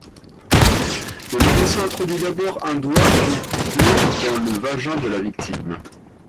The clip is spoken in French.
Le médecin introduit d'abord un doigt, puis deux dans le vagin de la victime.